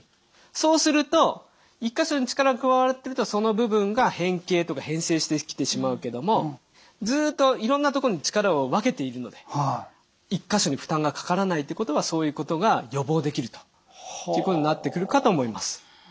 そうすると１か所に力が加わるってことはその部分が変形とか変性してきてしまうけどもずっといろんな所に力を分けているので１か所に負担がかからないってことはそういうことが予防できるということになってくるかと思います。